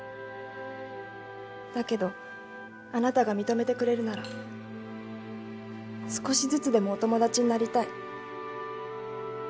だけどあなたが認めてくれるなら少しずつでもお友達になりたい。